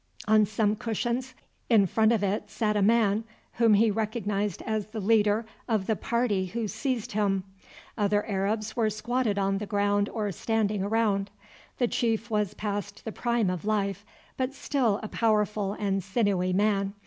On some cushions in front of it sat a man, whom he recognized as the leader of the party who seized him. Other Arabs were squatted on the ground or standing round. The chief was past the prime of life, but still a powerful and sinewy man.